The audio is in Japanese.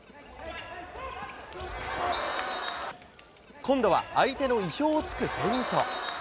今度は相手の意表を突くフェイント。